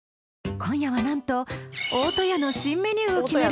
今夜は何と大戸屋の新メニューを決める